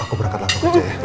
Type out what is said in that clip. aku berangkat langsung aja ya